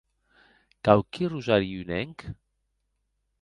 Quauqui rosari unenc?